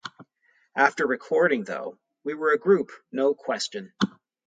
After recording, though, we were a group, no question.